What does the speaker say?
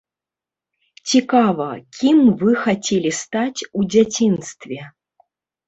Цікава, кім вы хацелі стаць у дзяцінстве?